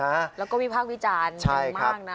ค่ะแล้วก็วิภาควิจารณ์เยอะมากนะคุณสมดุลคุณสมดุล